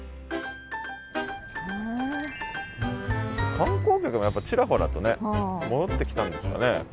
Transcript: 観光客もやっぱちらほらとね戻ってきたんですかね。